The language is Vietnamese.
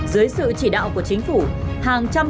dưới sự chỉ đạo của chính phủ hàng trăm